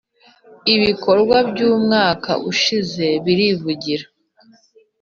ibikorwa by umwaka ushize birivugira